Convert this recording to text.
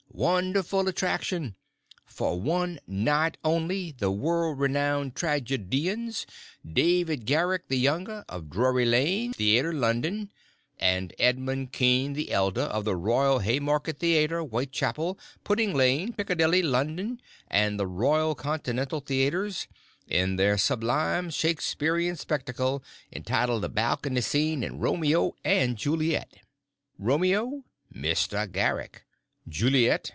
Wonderful Attraction! For One Night Only! The world renowned tragedians, David Garrick the younger, of Drury Lane Theatre, London, and Edmund Kean the elder, of the Royal Haymarket Theatre, Whitechapel, Pudding Lane, Piccadilly, London, and the Royal Continental Theatres, in their sublime Shaksperean Spectacle entitled The Balcony Scene in Romeo and Juliet!!! Romeo...................................... Mr. Garrick. Juliet.....................................